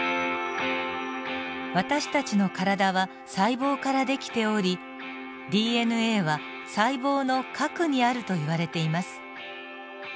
私たちの体は細胞から出来ておりＤＮＡは細胞の核にあるといわれています。